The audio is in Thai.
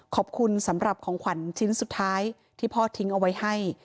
ขอบคุณสำหรับของขวัญชิ้นสุดท้ายที่พ่อทิ้งเอาไว้ให้